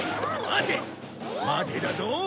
待てだぞ。